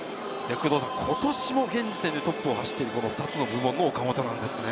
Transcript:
今年も現時点でトップを走っている２つの部門の岡本なんですね。